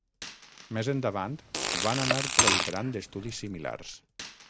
Més endavant van anar proliferant estudis similars.